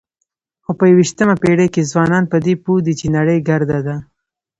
خو په یوویشتمه پېړۍ کې ځوانان په دې پوه دي چې نړۍ ګرده ده.